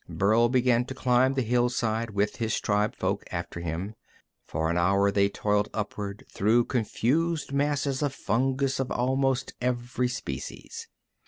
Burl began to climb the hillside with his tribefolk after him. For an hour they toiled upward, through confused masses of fungus of almost every species.